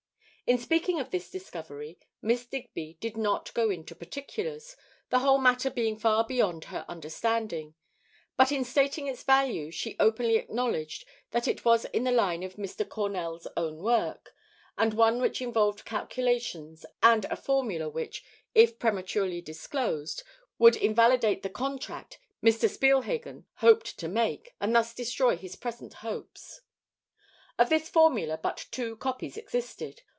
In speaking of this discovery, Miss Digby did not go into particulars, the whole matter being far beyond her understanding; but in stating its value she openly acknowledged that it was in the line of Mr. Cornell's own work, and one which involved calculations and a formula which, if prematurely disclosed, would invalidate the contract Mr. Spielhagen hoped to make, and thus destroy his present hopes. Of this formula but two copies existed.